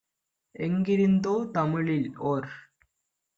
எங்கிருந்தோ தமிழில் - ஓர்